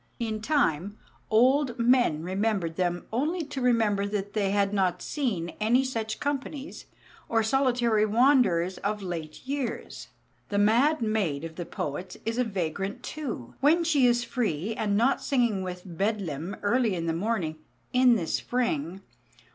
In time old men remembered them only to remember that they had not seen any such companies or solitary wanderers of late years. The mad maid of the poets is a vagrant too, when she is free, and not singing within Bedlam early in the morning, "in the spring."